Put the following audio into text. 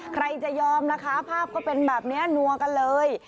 ใครจะยอมล่ะคะภาพก็เป็นแบบนี้นัวกันเลย